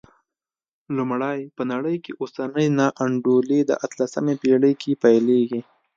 لومړی، په نړۍ کې اوسنۍ نا انډولي د اتلسمې پېړۍ کې پیلېږي.